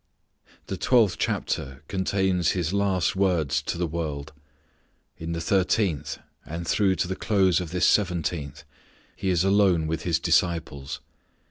The twelfth chapter contains His last words to the world. In the thirteenth and through to the close of this seventeenth He is alone with His disciples.